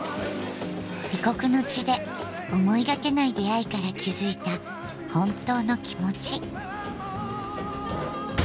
異国の地で思いがけない出会いから気付いた本当の気持ち。